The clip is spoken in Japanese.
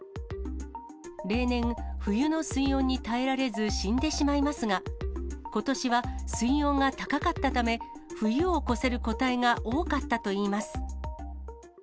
例年、冬の水温に耐えられず、死んでしまいますが、ことしは水温が高かったため、冬を越せる個体が多かったといいます。